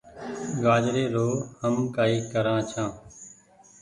گآجري رو هم ڪآئي ڪرآن ڇآن ۔